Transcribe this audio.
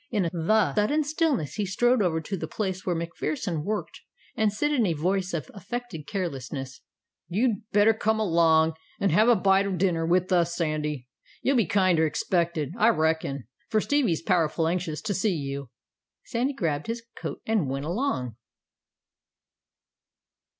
In the sudden stillness he strode over to the place where MacPherson worked, and said in a voice of affected carelessness "You better come along an' have a bite o' dinner with us, Sandy. You'll be kinder expected, I reckon, for Stevie's powerful anxious to see you." Sandy grabbed his coat and went along.